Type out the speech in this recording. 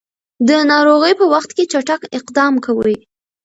د ناروغۍ په وخت کې چټک اقدام کوي.